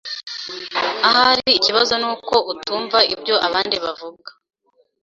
Ahari ikibazo nuko utumva ibyo abandi bavuga.